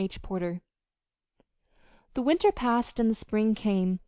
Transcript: CHAPTER XXXII The winter passed and the spring came.